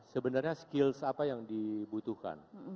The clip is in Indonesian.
sebenarnya skills apa yang dibutuhkan